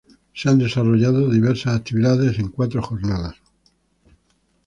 se han desarrollado diveras actividades en cuatro jornadas